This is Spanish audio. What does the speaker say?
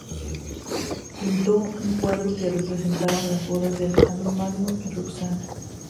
Pintó un cuadro que representaba las "Bodas de Alejandro Magno y Roxana".